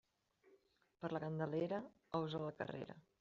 Per la Candelera, ous a la carrera.